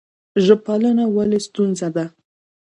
ژب پالنه ولې ستونزه ده؟